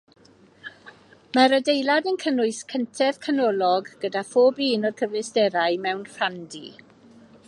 Mae'r adeilad yn cynnwys cyntedd canolog gyda phob un o'r cyfleusterau mewn rhandy.